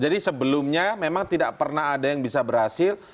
jadi sebelumnya memang tidak pernah ada yang bisa berhasil